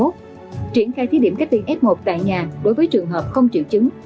triển khai thí điểm cách ly f một tại nhà đối với trường hợp không triệu chứng